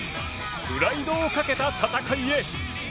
プライドをかけた戦いへ。